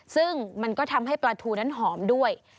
ซึ่งมันก็ทำให้ปลาทูนั้นหอมด้วย